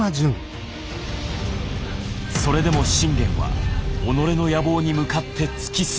それでも信玄は己の野望に向かって突き進む。